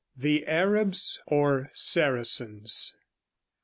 THE ARABS OR SARACENS.